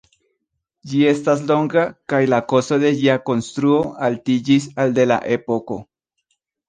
Ĝi estas longa kaj la kosto de ĝia konstruo altiĝis al de la epoko.